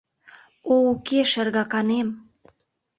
— О уке, шергаканем!